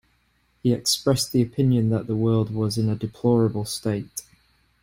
He expressed the opinion that the world was in a deplorable state.